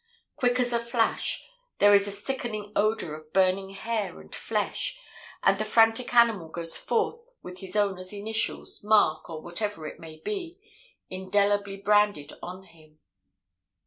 Quick as a flash, there is a sickening odor of burning hair and flesh, and the frantic animal goes forth with his owner's initials, mark or whatever it may be, indelibly branded on him.